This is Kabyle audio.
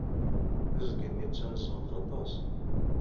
Tiẓgi-nni d taneẓẓawt aṭas.